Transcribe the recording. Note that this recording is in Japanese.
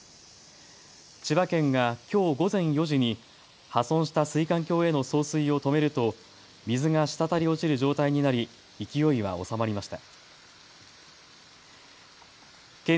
千葉県がきょう午前４時に破損した水管橋への送水を止めると水がしたたり落ちる状態になり勢いは収まりました。